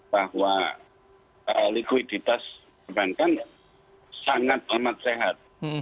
bahwa likuiditas perbankan sangat amat sehat